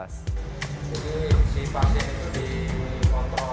jadi si pasien itu dikontrol